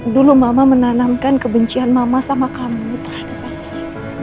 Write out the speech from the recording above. dulu mama menanamkan kebencian mama sama kamu terhadap bangsa